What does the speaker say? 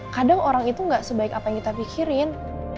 kadang orang itu gak sebaik apa yang kita pikirin